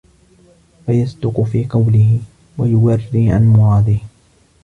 فَيَصْدُقُ فِي قَوْلِهِ وَيُوَرِّي عَنْ مُرَادِهِ